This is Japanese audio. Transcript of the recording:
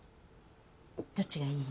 どっちがいい？